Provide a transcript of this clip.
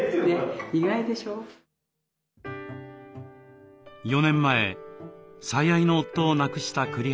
４年前最愛の夫を亡くした栗原さん。